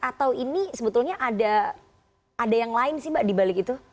atau ini sebetulnya ada yang lain sih mbak dibalik itu